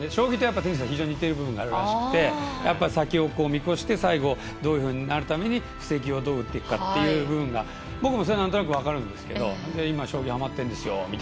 テニスと将棋は非常に似てる部分があるらしくて先を見越して最後、どういうふうになるために布石をどう打っていくかというのがなんとなく分かるんですけど今、将棋にはまってるんですよって